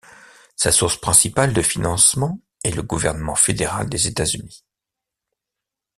Sa source principale de financement est le gouvernement fédéral des États-Unis.